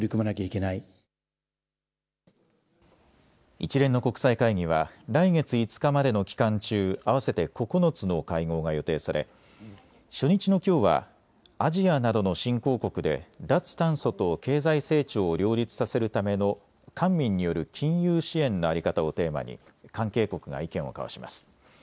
一連の国際会議は来月５日までの期間中、合わせて９つの会合が予定され初日のきょうはアジアなどの新興国で脱炭素と経済成長を両立させるための官民による金融支援の在り方をテーマに関係国が意見を交わします。